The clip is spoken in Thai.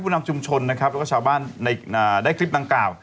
นำชุมชนนะครับแล้วก็ชาวบ้านได้คลิปดังกล่าว